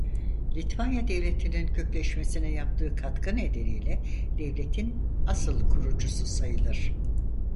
Litvanya devletinin kökleşmesine yaptığı katkı nedeniyle devletin asıl kurucusu sayılır.